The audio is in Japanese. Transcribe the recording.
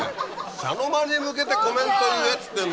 茶の間に向けてコメント言えっつってんの！